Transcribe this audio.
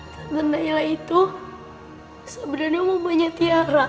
tante nailah itu sebenernya umpanya tiara